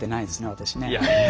私ね。